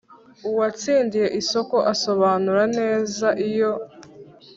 uwatsindiye isoko asobanura neza iyo